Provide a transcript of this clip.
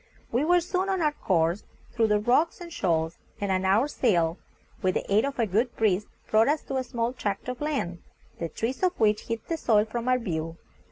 We were soon on our course through the rocks and shoals, and an hour's sail, with the aid of a good breeze, brought us to a small tract of land, the trees of which hid the soil from our view.